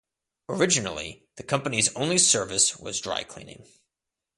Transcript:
Originally, the company's only service was dry cleaning.